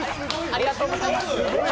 ありがとうございます！